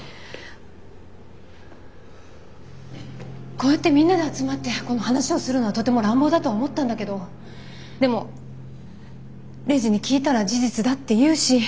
こうやってみんなで集まってこの話をするのはとても乱暴だとは思ったんだけどでもレイジに聞いたら事実だって言うし。